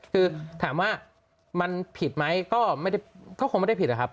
คือถามว่ามันผิดไหมก็คงไม่ได้ผิดนะครับ